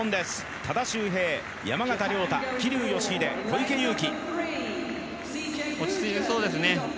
多田修平、山縣亮太、桐生祥秀小池祐貴。